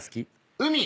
海！